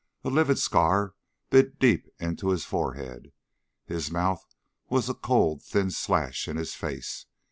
A livid scar bit deep into his forehead; his mouth was a cold thin slash in his face.